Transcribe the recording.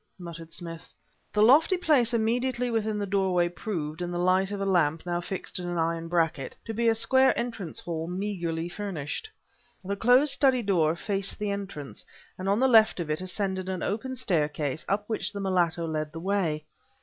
muttered Smith. The lofty place immediately within the doorway proved, in the light of a lamp now fixed in an iron bracket, to be a square entrance hall meagerly furnished. The closed study door faced the entrance, and on the left of it ascended an open staircase up which the mulatto led the way.